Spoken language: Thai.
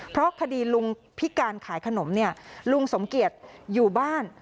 เพราะคดีลุงพิการขายขนมเนี่ยลุงสมเกียจอยู่บ้าน